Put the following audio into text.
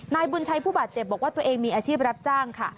นายบุญชัยผู้บาดเจ็บบอกว่าตัวเองมีอาชีพรับจ้างค่ะ